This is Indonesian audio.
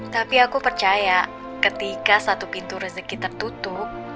tapi aku percaya ketika satu pintu rezeki tertutup